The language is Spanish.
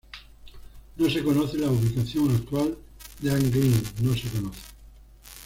No se conoce la ubicación actual de Anglin no se conoce.